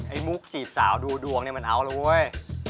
ไอ้มุกเสียดสาวดูดวงมันเฮ้าละโว้ย